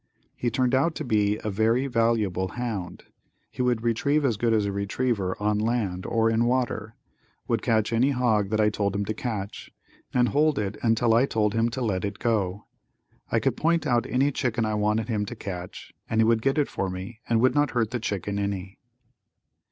He turned out to be a very valuable hound. He would retrieve as good as a retriever on land or in water, would catch any hog that I told him to catch and hold it until I told him to let it go. I could point out any chicken I wanted him to catch and he would get it for me and would not hurt the chicken any.